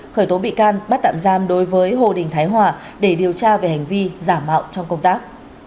khởi tố bị can bắt tạm giam đối với hồ đình thái hòa để điều tra về hành vi giả mạo trong công tác